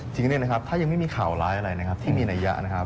จริงเนี่ยนะครับถ้ายังไม่มีข่าวร้ายอะไรนะครับที่มีนัยยะนะครับ